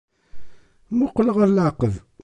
Muqqel ɣer leɛqed.